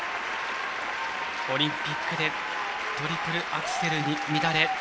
オリンピックでトリプルアクセルに乱れ。